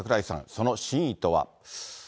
その真意とは。